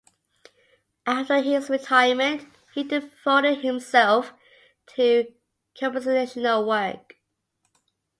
After his retirement he devoted himself to compositional work.